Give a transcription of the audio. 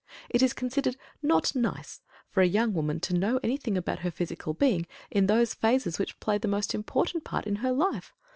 It is considered "not nice" for a young woman to know anything about her physical being in those phases which play the most important part in her life.